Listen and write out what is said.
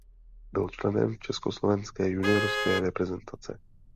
Byl členem československé juniorské reprezentace.